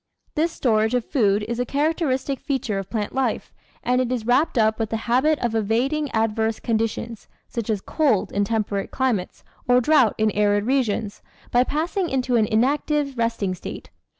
This storage of food is a characteristic feature of plant life, and it is wrapped up with the habit of evading adverse conditions, such as cold in tem perate climates or drought in arid regions, by passing into an inactive resting state.